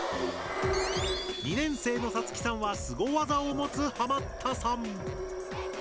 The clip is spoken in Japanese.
２年生のさつきさんはスゴ技を持つハマったさん！